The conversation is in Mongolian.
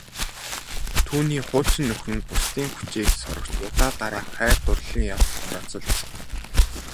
Түүний хуучин нөхөр нь бусдын хүчийг сорогч удаа дараа хайр дурлалын явдалд орооцолдсон.